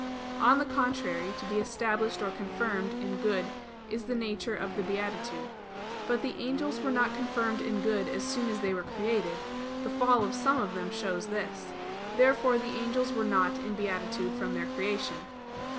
On the contrary, To be established or confirmed in good is of the nature of beatitude. But the angels were not confirmed in good as soon as they were created; the fall of some of them shows this. Therefore the angels were not in beatitude from their creation.